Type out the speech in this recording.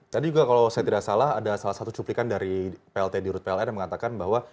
tadi juga kalau saya tidak salah ada salah satu cuplikan dari plt di rut pln yang mengatakan bahwa